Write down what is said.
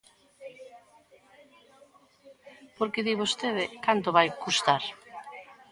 Porque di vostede, ¿canto vai custar?